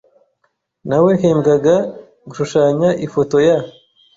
Nawehembwaga gushushanya ifoto ya .